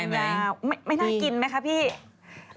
น่ากินได้ไหม